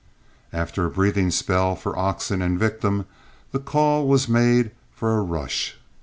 After a breathing spell for oxen and victim, the call was made for a rush.